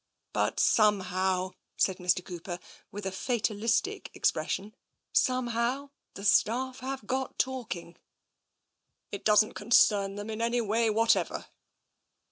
But somehow," said Mr. Cooper, with a fatalistic expression, " somehow, the staff have got talking." " It doesn't concern them in any way whatever."